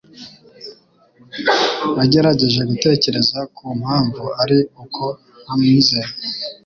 Nagerageje gutekereza ku mpamvu ari uko ntamwizeye.